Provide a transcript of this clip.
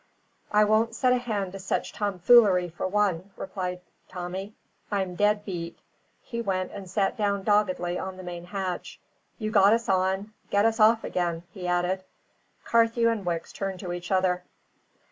"I won't set a hand to such tomfoolery for one," replied Tommy. "I'm dead beat." He went and sat down doggedly on the main hatch. "You got us on; get us off again," he added. Carthew and Wicks turned to each other.